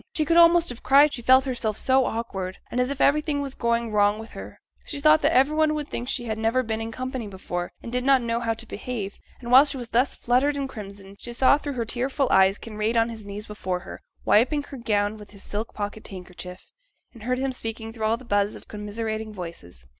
She could almost have cried, she felt herself so awkward, and as if everything was going wrong with her; she thought that every one would think she had never been in company before, and did not know how to behave; and while she was thus fluttered and crimson, she saw through her tearful eyes Kinraid on his knees before her, wiping her gown with his silk pocket handkerchief, and heard him speaking through all the buzz of commiserating voices.